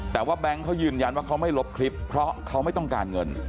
แต่ว่าแบงค์เขายืนยันว่าเขาไม่ลบคลิปเพราะเขาไม่ต้องการเงิน